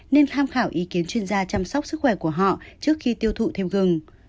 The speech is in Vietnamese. nên tham khảo ý kiến chuyên gia chăm sóc sức khỏe của họ trước khi tiêu thụ thêm gừng